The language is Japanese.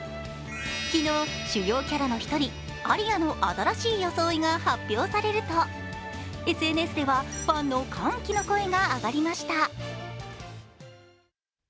昨日、主要キャラの１人、アリアの新しい装いが発表されると、ＳＮＳでは、ファンの歓喜の声が上がりました。